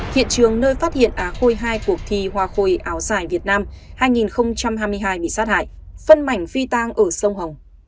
hiện trường nơi phát hiện á khôi hai cuộc thi hoa khôi áo dài việt nam hai nghìn hai mươi hai bị sát hại phân mảnh phi tang ở sông hồng